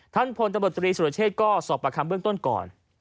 พลตำรวจตรีสุรเชษฐก็สอบประคำเบื้องต้นก่อน